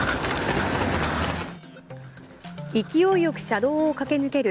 勢いよく車道を駆け抜ける